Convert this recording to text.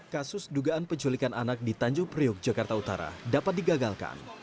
kasus dugaan penculikan anak di tanjung priuk jakarta utara dapat digagalkan